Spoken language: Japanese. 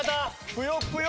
『ぷよぷよ』